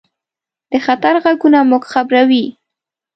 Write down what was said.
د خطر غږونه موږ خبروي.